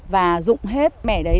và rụng hết mẻ đấy